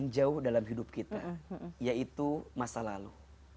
jauh dalam hidup kita yaitu masa lalu